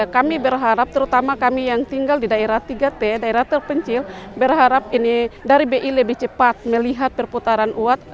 kami berharap terutama kami yang tinggal di daerah tiga t daerah terpencil berharap ini dari bi lebih cepat melihat perputaran uap